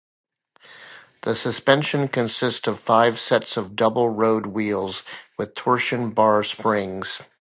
The suspension consists of five sets of double road wheels with torsion bar springs.